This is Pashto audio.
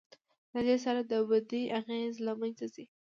له دې سره د بدۍ اغېز له منځه ځي.